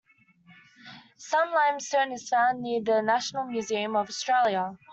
Some limestone is found near the National Museum of Australia.